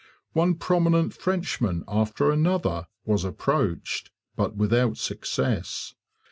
One prominent Frenchman after another was 'approached,' but without success.